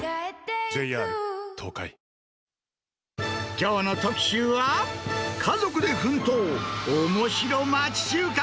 きょうの特集は、家族で奮闘、おもしろ町中華。